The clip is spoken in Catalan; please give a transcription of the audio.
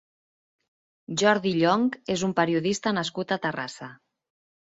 Jordi Llonch és un periodista nascut a Terrassa.